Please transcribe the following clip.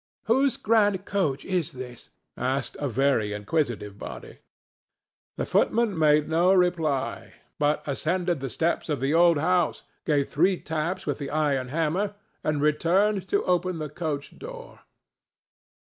"Whose grand coach is this?" asked a very inquisitive body. The footman made no reply, but ascended the steps of the old house, gave three taps with the iron hammer, and returned to open the coach door.